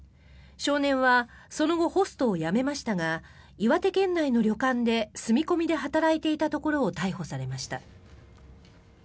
少年はその後ホストを辞めましたが岩手県内の旅館で住み込みで働いていたところを逮捕されました。